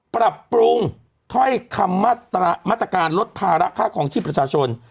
ปรับปรุงถ้อยคำมาตรการลดภาระค่าคลองชีพประชาชน